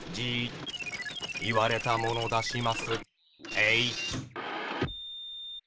えい！